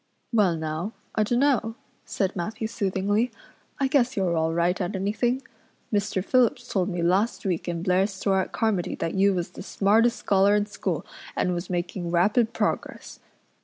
"Well now, I dunno," said Matthew soothingly. "I guess you're all right at anything. Mr. Phillips told me last week in Blair's store at Carmody that you was the smartest scholar in school and was making rapid progress.